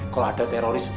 kalo ada teroris